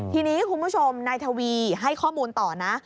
ทีนี้คุณผู้ชมนายทวีให้ข้อมูลต่อนะ